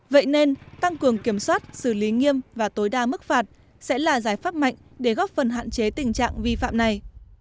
vậy nên tăng cường kiểm soát xử lý nghiêm và tối đa mức phạt sẽ là giải pháp mạnh để góp phần hạn chế tình trạng vi phạm này